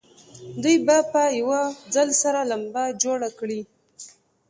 دوی به په یوه ځل سره لمبه جوړه کړي.